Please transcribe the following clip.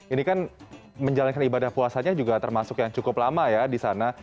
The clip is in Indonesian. ini kan menjalankan ibadah puasanya juga termasuk yang cukup lama ya di sana